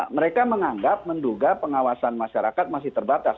mereka menganggap menduga pengawasan masyarakat masih terbatas